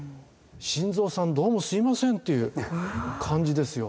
心臓さんどうもすいませんという感じですよ。